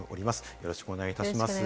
よろしくお願いします。